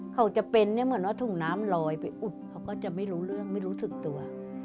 เขาจะเป็นเนี่ยเหมือนว่าถุงน้ำลอยไปอุดเขาก็จะไม่รู้เรื่องไม่รู้สึกตัว